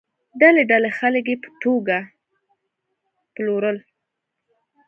ډلې ډلې خلک یې په توګه پلورل.